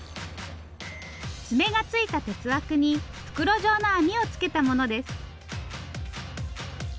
爪がついた鉄枠に袋状の網をつけたものです。